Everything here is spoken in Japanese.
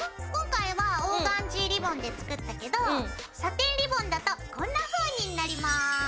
今回はオーガンジーリボンで作ったけどサテンリボンだとこんなふうになります。